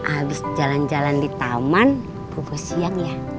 abis jalan jalan di taman buka siang ya